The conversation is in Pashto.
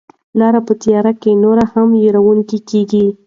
لاره په تیاره کې نوره هم وېروونکې کیږي.